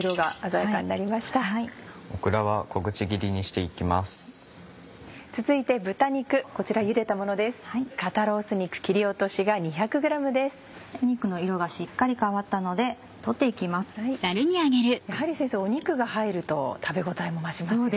やはり先生肉が入ると食べ応えも増しますよね。